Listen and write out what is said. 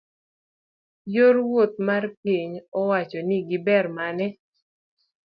yor wuoth mar piny owacho ni gi ber mane?